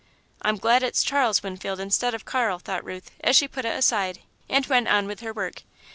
"I'm glad it's Charles Winfield instead of Carl," thought Ruth, as she put it aside, and went on with her work.